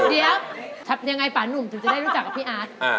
เดี๋ยวทำยังไงป่านุ่มถึงจะได้รู้จักกับพี่อาร์ต